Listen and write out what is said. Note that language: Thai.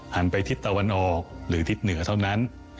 ไปทิศตะวันออกหรือทิศเหนือเท่านั้น